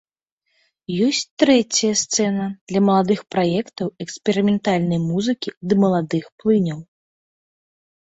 Ёсць трэцяя сцэна для маладых праектаў, эксперыментальнай музыкі ды маладых плыняў.